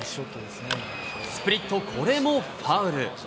スプリット、これもファウル。